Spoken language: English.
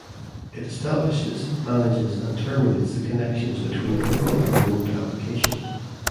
It establishes, manages and terminates the connections between the local and remote application.